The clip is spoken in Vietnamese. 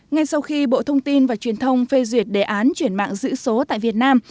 ngay sau khi bộ thông tin và truyền thông phê duyệt đề án chuyển mạng giữ số tại việt nam